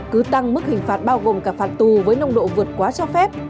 cứ tăng mức hình phạt bao gồm cả phạt tù với nông độ vượt quá cho phép